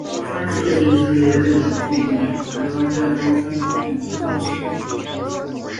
高山社迹是日本著名养蚕专家高山长五郎建造的养蚕研究与教育中心。